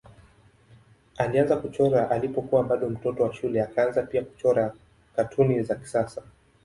Alianza kuchora alipokuwa bado mtoto wa shule akaanza pia kuchora katuni za kisiasa.